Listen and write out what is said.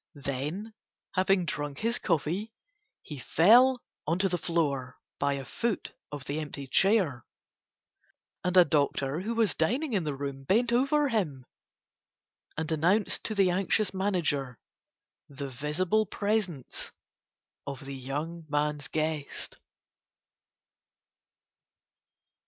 Then having drunk his coffee he fell on to the floor by a foot of the empty chair, and a doctor who was dining in the room bent over him and announced to the anxious manager the visible presence of the young man's guest.